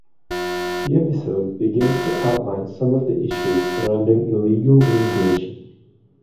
The episode begins to outline some of the issues surrounding illegal immigration.